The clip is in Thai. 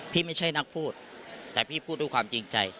พี่ไม่ใช่นักพูดแต่พี่พูดด้วยความจริงใจ